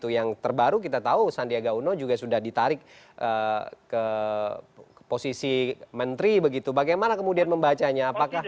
yang terbaru kita tahu sandiaga uno juga sudah ditarik ke posisi menteri begitu bagaimana kemudian membacanya